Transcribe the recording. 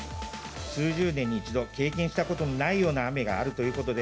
数十年に一度、経験したことのないような雨があるということで。